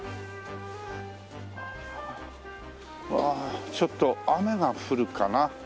ああちょっと雨が降るかな。